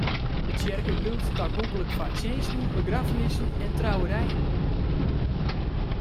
De tsjerke bliuwt tagonklik foar tsjinsten, begraffenissen en trouwerijen.